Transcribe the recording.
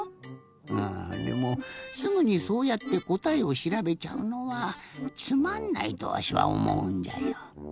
あぁでもすぐにそうやってこたえをしらべちゃうのはつまんないとわしはおもうんじゃよ。